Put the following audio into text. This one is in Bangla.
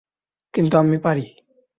কিন্তু আমি পারি।